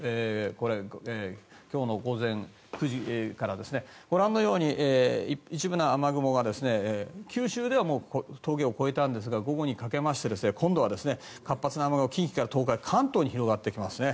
これは今日の午前９時からご覧のように一部の雨雲が九州では峠を越えたんですが午後にかけまして今度は活発な雨雲が近畿から東海や関東に広がってきますね。